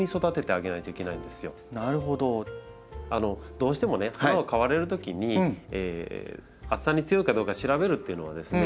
どうしてもね花を買われるときに暑さに強いかどうか調べるっていうのはですね